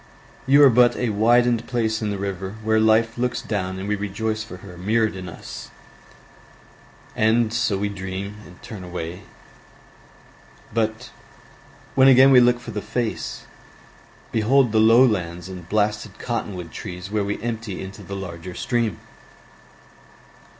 You are but a widened place in the river Where Life looks down and we rejoice for her Mirrored in us, and so we dream And turn away, but when again We look for the face, behold the low lands And blasted cotton wood trees where we empty Into the larger stream!